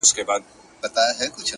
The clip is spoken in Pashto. • په زړه سخت لکه د غرونو ځناور وو,